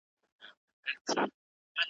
نه پیسې لرم اونه یې درکومه `